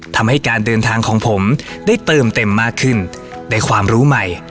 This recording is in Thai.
ทำให้การเดินทางของผมได้เติมเต็มมากขึ้นในความรู้ใหม่